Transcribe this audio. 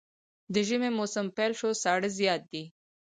د ژمي موسم پيل شو ساړه زيات دی